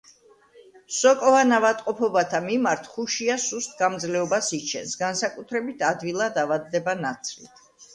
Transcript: სოკოვან ავადმყოფობათა მიმართ ხუშია სუსტ გამძლეობას იჩენს, განსაკუთრებით ადვილად ავადდება ნაცრით.